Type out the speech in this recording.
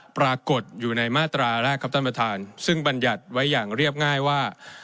ปรากฏอยู่ในมาตราแรกครับท่านประธานซึ่งบรรยัติไว้อย่างเรียบง่ายว่า